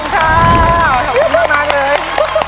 ขอบคุณมากเลย